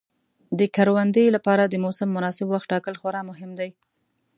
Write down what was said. د کروندې لپاره د موسم مناسب وخت ټاکل خورا مهم دي.